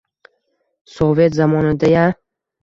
Sovet zamonida-ya?